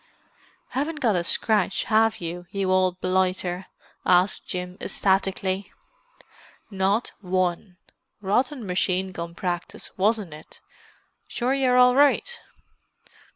"Haven't got a scratch, have you, you old blighter?" asked Jim ecstatically. "Not one. Rotten machine gun practice, wasn't it? Sure you're all right?"